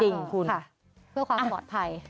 จริงคุณเพื่อความปลอดภัย